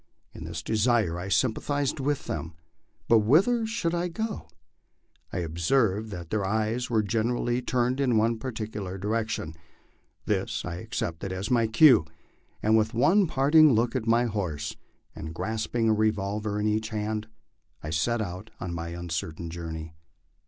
In this desire I sympathized with them, but whither should 1 go? I observed that their eyes were generally turned in one particular direc tion ; this I accepted as my cue, and with one parting look at my horse, and grasping a revolver in each hand, I set out on my uncertain journey.